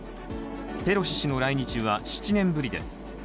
ペロシ氏の来日は７年ぶりです。